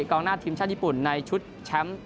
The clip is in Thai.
กองหน้าทีมชาติญี่ปุ่นในชุดแชมป์